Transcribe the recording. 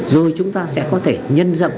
rồi chúng ta sẽ có thể nhân dọng